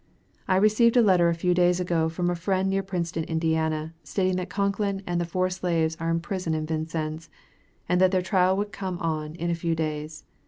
I received a letter a few days ago from a friend near Princeton, Ind., stating that Concklin and the four slaves are in prison in Vincennes, and that their trial would come on in a few days.